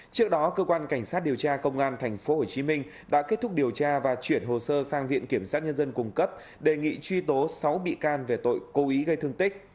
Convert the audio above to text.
trước đó cơ quan cảnh sát điều tra công an tp hcm đã kết thúc điều tra và chuyển hồ sơ sang viện kiểm sát nhân dân cung cấp đề nghị truy tố sáu bị can về tội cố ý gây thương tích